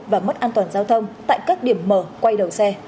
và mất an toàn giao thông tại các điểm mở quay đầu xe